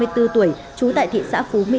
hai mươi bốn tuổi trú tại thị xã phú mỹ